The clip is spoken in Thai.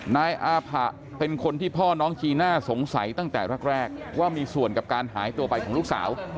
นายอาผะเป็นคนที่พ่อน้องจีน่าสงสัยตั้งแต่แรกว่ามีส่วนกับการหายตัวไปของลูกสาว